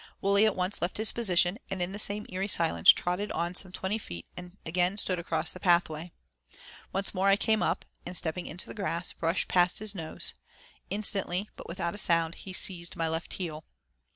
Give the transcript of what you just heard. Wully at once left his position and in the same eerie silence trotted on some twenty feet and again stood across the pathway. Once more I came up and, stepping into the grass, brushed past his nose. Instantly, but without a sound, he seized my left heel.